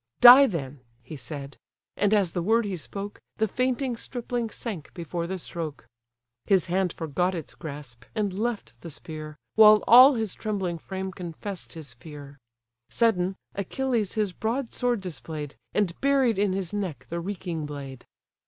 Die then,"—He said; and as the word he spoke, The fainting stripling sank before the stroke: His hand forgot its grasp, and left the spear, While all his trembling frame confess'd his fear: Sudden, Achilles his broad sword display'd, And buried in his neck the reeking blade.